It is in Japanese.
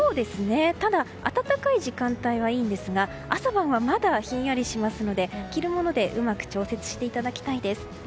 ただ、暖かい時間帯はいいんですが朝晩は、まだひんやりしますので着るものでうまく調節していただきたいです。